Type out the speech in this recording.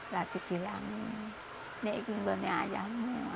lagi diilami ini yang saya inginkan